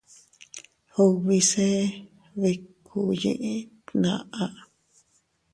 Ubi se bikkúu yiʼin tnaʼa.